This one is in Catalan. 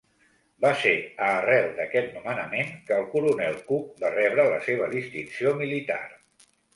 Va ser a arrel d'aquest nomenament que el coronel Cook va rebre la seva distinció militar.